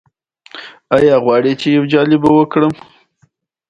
د دولتي لګښتونو د پوره کولو لپاره عواید برابر شوي وای.